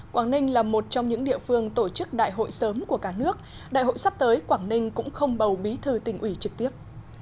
quảng ninh là một trong những địa phương tổ chức đại hội sớm của cả nước đại hội sắp tới quảng ninh cũng không bầu bí thư tỉnh ủy trực tiếp